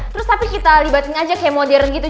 terus tapi kita libatin aja kayak modern gitu